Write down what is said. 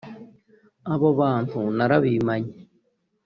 Abo bantu narabimanye